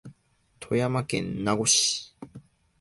富山県南砺市